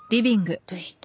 どうした？